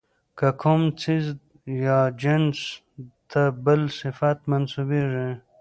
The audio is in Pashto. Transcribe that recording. که کوم څيز ىا جنس ته بل صفت منسوبېږي،